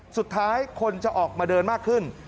สุดท้ายคนจะออกมาเดินมากขึ้น